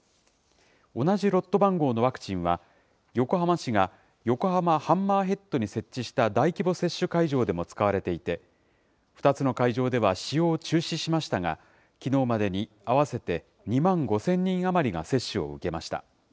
同じロット番号のワクチンは、横浜市が横浜ハンマーヘッドに設置した大規模接種会場でも使われていて、２つの会場では使用を中止しましたが、きのうまでに合わせて２万５０００人余りが接種を受けました。